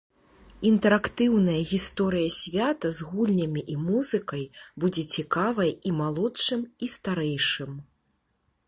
Інтэрактыўная гісторыя свята з гульнямі і музыкай будзе цікавая і малодшым, і старэйшым.